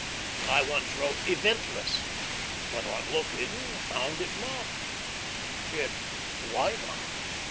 I once wrote "eventless;" but, on looking, found it not. Yet why not?